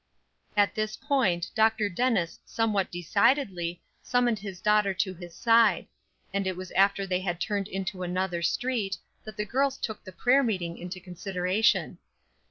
At this point Dr. Dennis somewhat decidedly summoned his daughter to his side, and it was after they had turned onto another street that the girls took the prayer meeting into consideration.